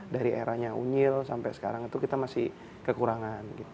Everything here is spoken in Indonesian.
dari eranya unyil sampai sekarang itu kita masih kekurangan